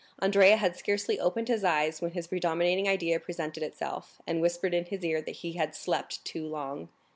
Andrea had scarcely opened his eyes when his predominating idea presented itself, and whispered in his ear that he had slept too long.